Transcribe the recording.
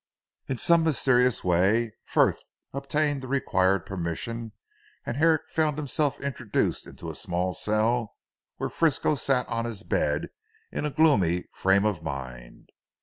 In some mysterious way, Frith obtained the required permission, and Herrick found himself introduced into a small cell, where Frisco sat on his bed in a gloomy frame of mind.